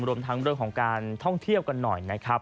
รวมทั้งเรื่องของการท่องเที่ยวกันหน่อยนะครับ